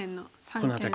この辺り？